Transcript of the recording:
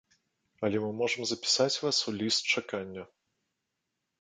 Але мы можам запісаць вас у ліст чакання.